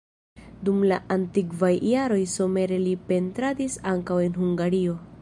Dum la aktivaj jaroj somere li pentradis ankaŭ en Hungario.